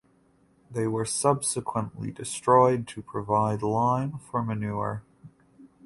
They were subsequently destroyed to provide lime for manure.